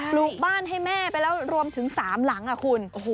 ลูกบ้านให้แม่ไปแล้วรวมถึง๓หลังคุณ